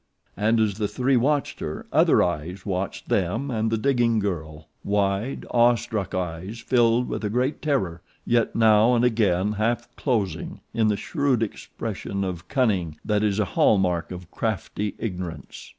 And as the three watched her other eyes watched them and the digging girl wide, awestruck eyes, filled with a great terror, yet now and again half closing in the shrewd expression of cunning that is a hall mark of crafty ignorance.